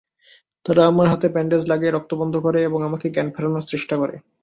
তারা আমার হাতে ব্যান্ডেজ লাগিয়ে রক্ত বন্ধ করে এবং আমাকে জ্ঞান ফেরানোর চেষ্টা করে।